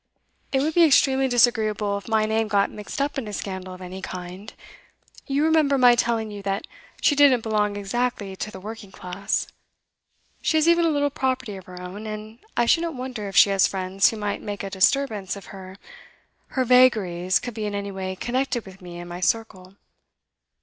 It would be extremely disagreeable if my name got mixed up in a scandal of any kind. You remember my telling you that she didn't belong exactly to the working class. She has even a little property of her own; and I shouldn't wonder if she has friends who might make a disturbance if her her vagaries could be in any way connected with me and my circle.